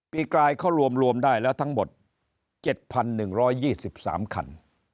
กลายเขารวมได้แล้วทั้งหมด๗๑๒๓คัน